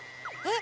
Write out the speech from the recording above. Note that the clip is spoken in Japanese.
え！